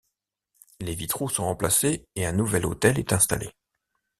Les vitraux sont remplacés et un nouvel autel est installé.